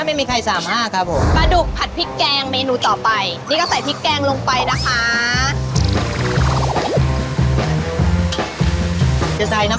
อะไรต้มกล้องกล้องมันจะสู่ยากกว่าปลาหมึกนิดหนึ่ง